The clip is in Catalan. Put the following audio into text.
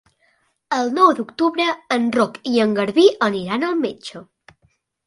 El nou d'octubre en Roc i en Garbí aniran al metge.